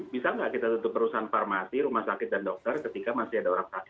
bisa nggak kita tutup perusahaan farmasi rumah sakit dan dokter ketika masih ada orang sakit